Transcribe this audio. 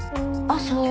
あっそう？